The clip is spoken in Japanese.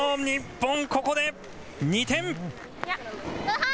日本、ここで２点。